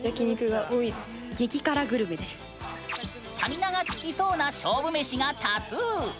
スタミナがつきそうな勝負メシが多数。